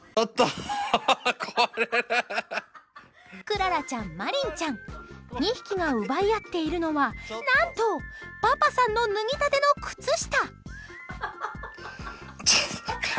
クララちゃん、マリンちゃん２匹が奪い合っているのは何とパパさんの脱ぎたての靴下！